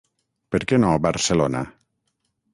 Per què no Barcelona?